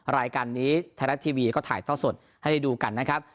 รายการนี้ไทยรัฐทีวีก็ถ่ายท่อสดให้ได้ดูกันนะครับ